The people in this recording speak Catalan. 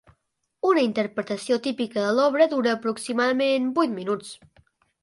Una interpretació típica de l'obra dura aproximadament vuit minuts.